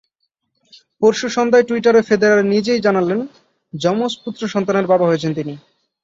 পরশু সন্ধ্যায় টুইটারে ফেদেরার নিজেই জানালেন যমজ পুত্রসন্তানের বাবা হয়েছেন তিনি।